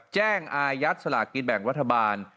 อายัดสลากกินแบ่งรัฐบาล